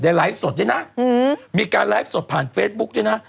ไลฟ์สดด้วยนะมีการไลฟ์สดผ่านเฟซบุ๊กด้วยนะ